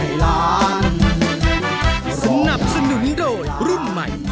สวัสดีครับคุณผู้ชม